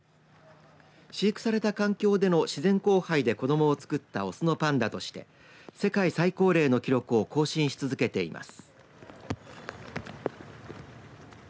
飼育された環境での自然交配で子どもをつくったオスのパンダとして世界最高齢の記録を更新し続けています。